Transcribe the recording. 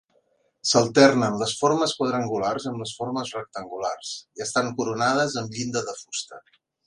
S'alternen les formes quadrangulars amb les formes rectangulars i estan coronades amb llinda de fusta.